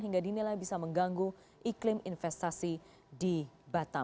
hingga dinilai bisa mengganggu iklim investasi di batam